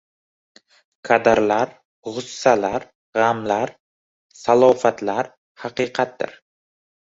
Kadarlar, gʻussalar, gʻamlar, safolatlar haqiqatdir